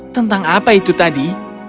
tentang apa itu tadi